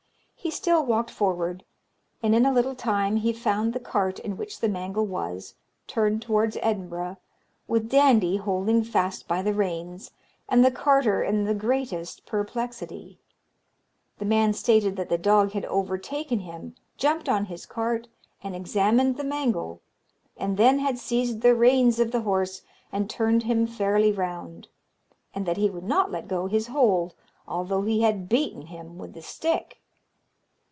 He still walked forward; and in a little time he found the cart in which the mangle was, turned towards Edinburgh, with Dandie holding fast by the reins, and the carter in the greatest perplexity; the man stated that the dog had overtaken him, jumped on his cart, and examined the mangle, and then had seized the reins of the horse and turned him fairly round, and that he would not let go his hold, although he had beaten him with a stick.